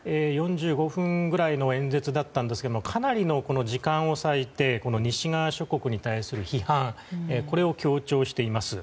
４５分ぐらいの演説でしたがかなりの時間を割いて西側諸国に対する批判を強調しています。